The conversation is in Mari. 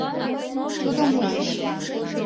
Тудо муэш.